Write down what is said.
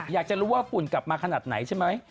อยากจะรู้ว่าฝุ่นกลับมาขนาดไหนใช่ไหม